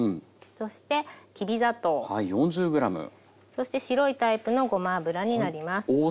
そして白いタイプのごま油になります。